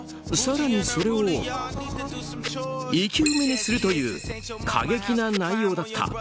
更にそれを生き埋めにするという過激な内容だった。